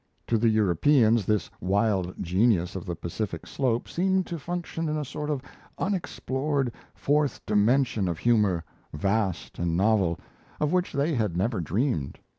To the Europeans, this wild genius of the Pacific Slope seemed to function in a sort of unexplored fourth dimension of humour vast and novel of which they had never dreamed.